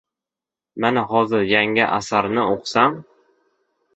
Mana, hozir yangi asarlarni o‘qisam